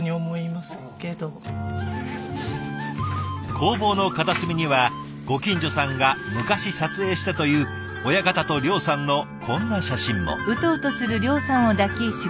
工房の片隅にはご近所さんが昔撮影したという親方と諒さんのこんな写真も。